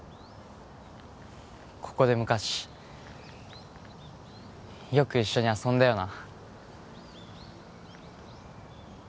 ここで昔よく一緒に遊んだよな